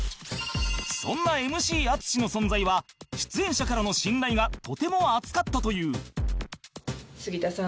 そんな ＭＣ 淳の存在は出演者からの信頼がとても厚かったという